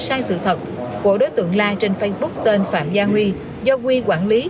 sai sự thật của đối tượng la trên facebook tên phạm gia huy do huy quản lý